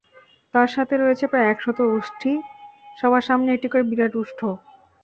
তার সাথে রয়েছে প্রায় একশত উষ্ট্রী, সবার সামনে একটি বিরাট উষ্ট্র।